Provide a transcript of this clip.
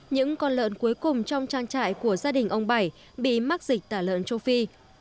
những con lợn cuối cùng trong trang trại của gia đình ông bảy bị mắc dịch tả lợn châu phi